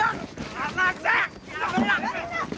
離せ！